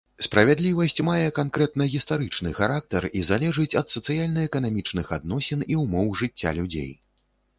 Справядлівасць мае канкрэтна-гістарычны характар і залежыць ад сацыяльна-эканамічных адносін і ўмоў жыцця людзей.